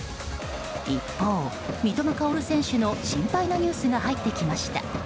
一方、三笘薫選手の心配なニュースが入ってきました。